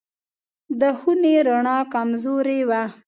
د خونې رڼا کمزورې وه.